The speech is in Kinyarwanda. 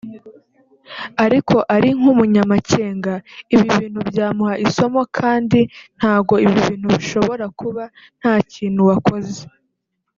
Ariko ari nk’umunyamacyenga ibi bintu byamuha isomo kandi ntago ibi bintu bishobora kuba ntakintu wakoze